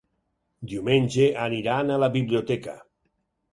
Diumenge aniran a la biblioteca.